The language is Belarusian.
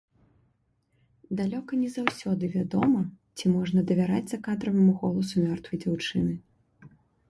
Далёка не заўсёды вядома, ці можна давяраць закадраваму голасу мёртвай дзяўчыны.